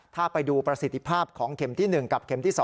ถ้าไปดูประสิทธิภาพของเข็มที่๑กับเข็มที่๒